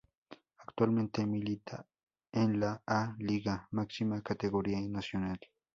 Actualmente milita en la A Lyga, máxima categoría nacional.